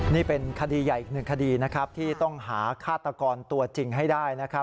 นี่เป็นคดีใหญ่อีกหนึ่งคดีนะครับที่ต้องหาฆาตกรตัวจริงให้ได้นะครับ